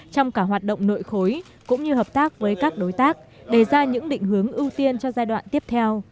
trong cả hoạt động nội khối cũng như hợp tác với các đối tác để ra những định hướng ưu tiên cho giai đoạn tiếp theo